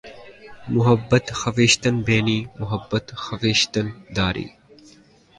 محبت خویشتن بینی محبت خویشتن داری